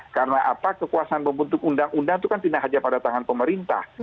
karena apa kekuasaan pembentuk undang undang itu kan tidak saja pada tangan pemerintah